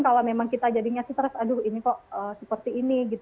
kalau memang kita jadinya stres aduh ini kok seperti ini